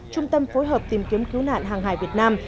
trung tâm phối hợp tìm kiếm cứu nạn hàng hải việt nam